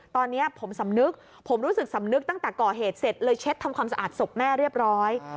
ตอนนี้ผมสำนึกผมรู้สึกสำนึกตั้งแต่ก่อเหตุเสร็จเลยเช็ดทำความสะอาดศพแม่เรียบร้อย